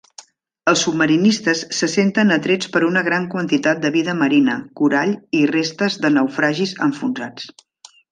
Els submarinistes se senten atrets per una gran quantitat de vida marina, corall i restes de naufragis enfonsats.